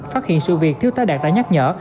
phát hiện sự việc thiếu tá đạt tải nhắc nhở